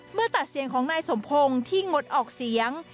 เมื่อตัดเสียงของนายสมพงศ์ที่งดออกเสียง